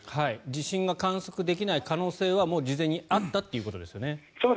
地震が観測できない可能性は事前にあったということですね。